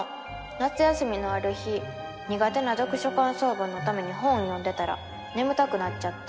夏休みのある日にがてな読書かんそう文のために本を読んでたらねむたくなっちゃって。